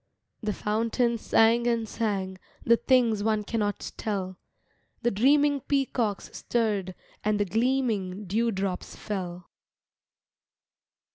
The fountain sang and sang The things one cannot tell, The dreaming peacocks stirred And the gleaming dew drops fell.